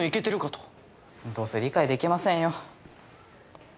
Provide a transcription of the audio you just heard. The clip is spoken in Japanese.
どうせ理解できませんよ。